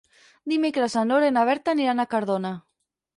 Dimecres na Nora i na Berta aniran a Cardona.